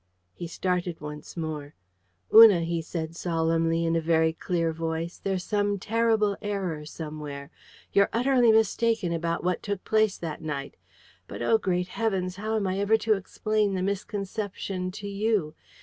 He started once more. "Una," he said solemnly, in a very clear voice, "there's some terrible error somewhere. You're utterly mistaken about what took place that night. But oh, great heavens! how am I ever to explain the misconception to YOU?